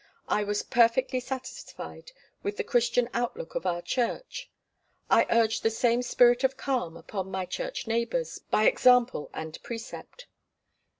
I was perfectly satisfied with the Christian outlook of our church. I urged the same spirit of calm upon my church neighbours, by example and precept.